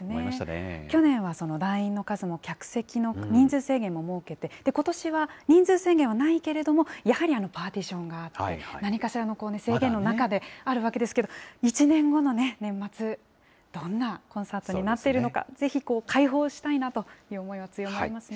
去年は団員の数も客席の人数制限も設けて、ことしは人数制限はないけれども、やはりパーティションがあって、何かしらの制限の中であるわけですけれども、１年後の年末、どんなコンサートになっているのか、ぜひ解放したいなという思いは強まりますね。